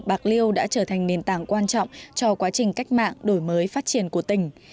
bạc liêu đã trở thành nền tảng quan trọng cho quá trình cách mạng đổi mới phát triển của tỉnh